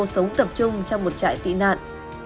sống tập trung trong một trại tị nạn